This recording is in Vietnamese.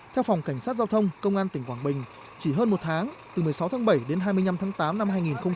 theo phòng cảnh sát giao thông công an tỉnh quảng bình chỉ hơn một tháng từ một mươi sáu tháng bảy đến hai mươi năm tháng tám năm hai nghìn hai mươi ba